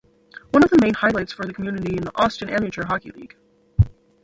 One of the main highlights for the community is the Austin Amateur Hockey League.